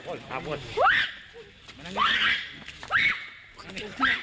เสียโดนราวเสีย